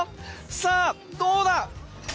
さあどうだ。